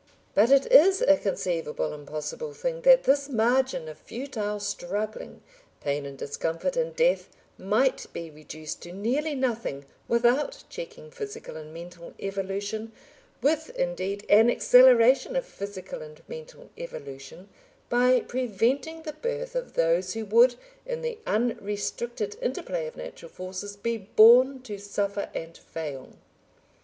But it is a conceivable and possible thing that this margin of futile struggling, pain and discomfort and death might be reduced to nearly nothing without checking physical and mental evolution, with indeed an acceleration of physical and mental evolution, by preventing the birth of those who would in the unrestricted interplay of natural forces be born to suffer and fail.